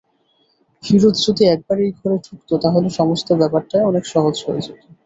ফিরোজ যদি একবার এই ঘরে ঢুকত, তাহলে সমস্ত ব্যাপারটাই অনেক সহজ হয়ে যেত।